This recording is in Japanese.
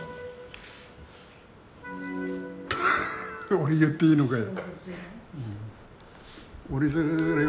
俺言っていいのかや。